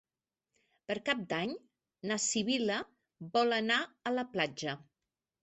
Per Cap d'Any na Sibil·la vol anar a la platja.